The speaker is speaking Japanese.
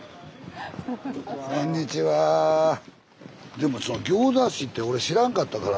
でも行田市って俺知らんかったから。